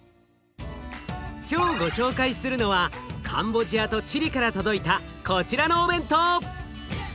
今日ご紹介するのはカンボジアとチリから届いたこちらのお弁当！